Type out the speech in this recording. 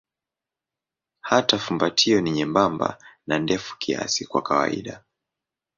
Hata fumbatio ni nyembamba na ndefu kiasi kwa kawaida.